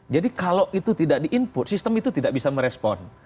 kalau itu tidak di input sistem itu tidak bisa merespon